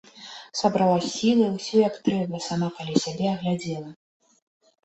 Сабрала сілы, усё, як трэба, сама каля сябе агледзела.